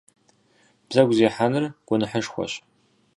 Бзэгу зехьэныр гуэныхьышхуэщ.